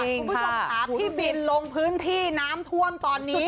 ผู้ชมขาบพี่บินตัวลงพื้นที่น้ำถ้วมตอนนี้